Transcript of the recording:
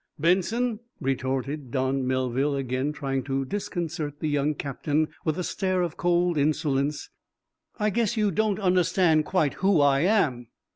"Benson," retorted Don Melville, again trying to disconcert the young captain with a stare of cold insolence, "I guess you don't understand quite who I am."